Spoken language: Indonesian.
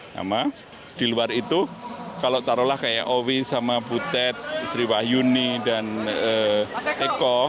sama di luar itu kalau taruhlah kayak owi sama butet sriwayuni dan eko